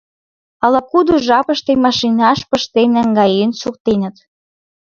Ала-кудо жапыште машинаш пыштен наҥгаен шуктеныт...